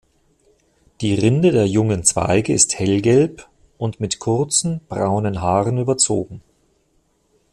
Die Rinde der jungen Zweige ist hellgelb und mit kurzen, braunen Haaren überzogen.